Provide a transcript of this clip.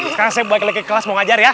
sekarang saya kelas mau ngajar ya